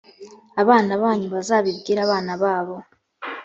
abana banyu bazabibwire abana babo